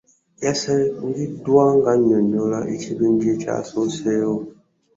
Yasangiddwa ng'annyonnyola ekibinja ekya soosewo